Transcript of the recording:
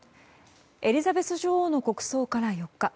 エリザベス女王の国葬から４日。